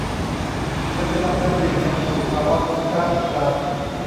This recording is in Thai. เธอกำลังจมดิ่งลงสู่ภาวะฟุ้งซ่านอีกครั้ง